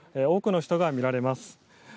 多くの人が見られます。